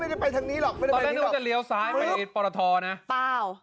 ไม่ได้ไปทางนี้หรอกตอนนี้ต้องจะเลียวซ้ายไปปรถอร์นะเปลื้อเปลื้อเปลื้อ